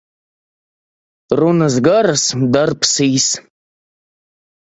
Runas garas, darbs īss.